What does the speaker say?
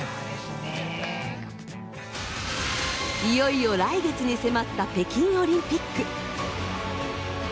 いよいよ来月に迫った北京オリンピック。